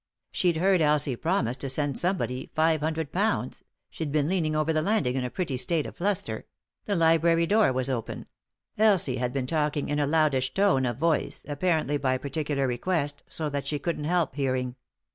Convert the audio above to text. She'd heard Elsie promise to send somebody .£500 — she'd been leaning over the landing in a pretty state of fluster ; the library door was open ; Elsie had been talking in a loudish tone of voice, apparently by particular request, so that she couldn't help hearing.